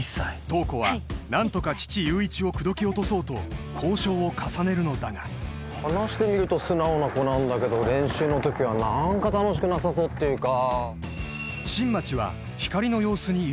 塔子は何とか父・悠一を口説き落とそうと交渉を重ねるのだが話してみると素直な子なんだけど練習の時は何か楽しくなさそうっていうか